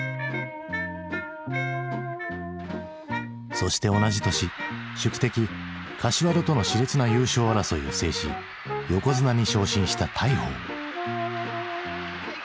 そして同じ年宿敵柏戸とのしれつな優勝争いを制し横綱に昇進した大鵬。